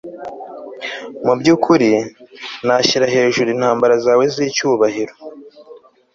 mubyukuri, nashyira hejuru intambara zawe zicyubahiro